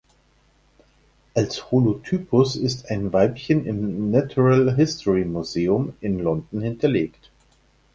Als Holotypus ist ein Weibchen im Natural History Museum in London hinterlegt.